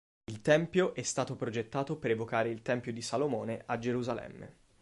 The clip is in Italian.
Il Tempio è stato progettato per evocare il Tempio di Salomone a Gerusalemme.